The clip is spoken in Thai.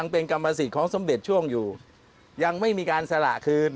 เป็นกรรมสิทธิ์ของสมเด็จช่วงอยู่ยังไม่มีการสละคืน